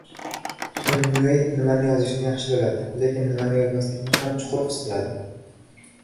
Heminguey nimani yozishni yaxshi biladi, lekin nimani yozmaslikni ham chuqur his qiladi.